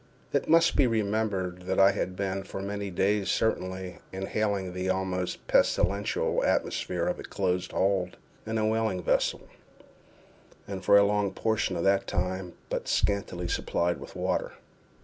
It must be remembered that I had been, for many days certainly, inhaling the almost pestilential atmosphere of a close hold in a whaling vessel, and for a long portion of that time but scantily supplied with water.